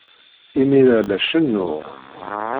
Imir-a, la cennuɣ.